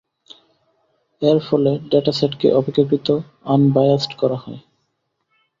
এরফলে ডেটাসেটকে অপেক্ষাকৃত আনবায়াজড করা হয়।